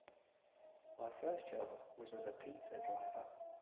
My first job was as a pizza driver.